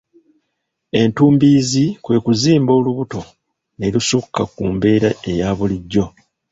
Ettumbiizi kwe kuzimba olubuto ne lusukka ku mbeera eya bulijjo.